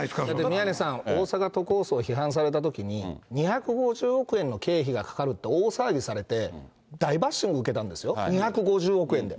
宮根さん、大阪都構想批判されたときに、２５０億円の経費がかかるって大騒ぎされて、大バッシングを受けたんですよ、２５０億円で。